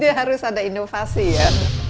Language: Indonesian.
jadi harus ada inovasi ya